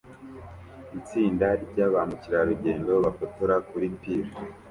Itsinda rya ba mukerarugendo bafotora kuri pir